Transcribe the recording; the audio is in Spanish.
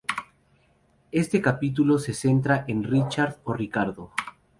Este capítulo se centra en Richard o Ricardo.